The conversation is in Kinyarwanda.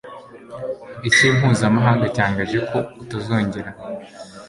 ikimpuzamahanga cyangaje ko utazongera